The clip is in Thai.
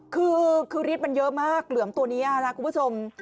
คือฤทธิ์มันเยอะมากเหลือมตัวนี้นะคุณผู้ชม